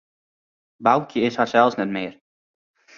Boukje is harsels net mear.